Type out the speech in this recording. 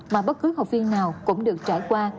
mà bất cứ học viên nào cũng được trải qua